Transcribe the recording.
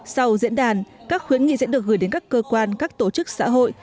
sau diễn đàn các khuyến nghị sẽ được gửi đến các cơ quan các tổ chức xã hội